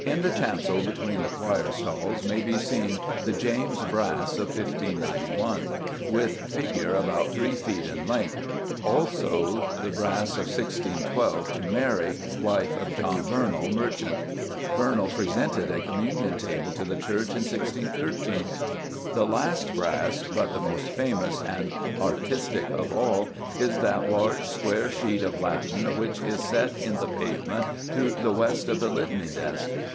_ In the chancel, between the choir stalls, may be seen the James brass, of 1591, with figure about three feet in length; also the brass, of 1612, to "Mary, wife of John Burnell, Merch^{t}." Burnell presented a communion table to the church in 1613. The last brass, but the most famous and artistic of all, is that large square sheet of latten which is set in the pavement to the west of the Litany desk.